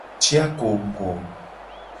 Ci akongugo.